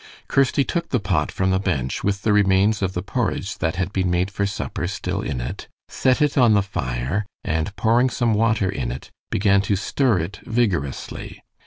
Kirsty took the pot from the bench, with the remains of the porridge that had been made for supper still in it, set it on the fire, and pouring some water in it, began to stir it vigorously.